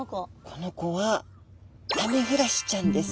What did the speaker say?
この子はアメフラシちゃんです。